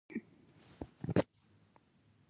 پراختیا غوښتني مخه یې نیوله.